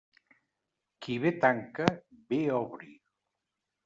Qui bé tanca, bé obri.